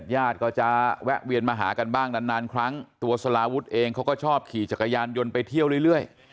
ญาติก็จะแวะเวียนมาหากันบ้างนานครั้งตัวสลาวุฒิเองเขาก็ชอบขี่จักรยานยนต์ไปเที่ยวเรื่อย